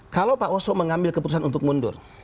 kalau pak oso mengambil keputusan untuk mundur